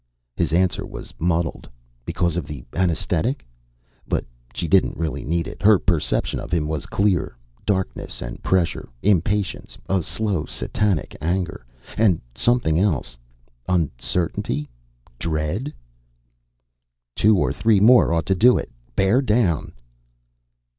_ His answer was muddled because of the anesthetic? but she didn't really need it. Her perception of him was clear: darkness and pressure, impatience, a slow Satanic anger ... and something else. Uncertainty? Dread? "Two or three more ought to do it. Bear down."